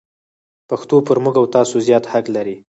پښتو پر موږ او تاسو زیات حق لري.